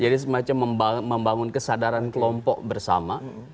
jadi semacam membangun kesadaran kelompok bersama